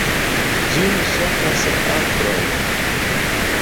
Ĝin ŝatas la aproj.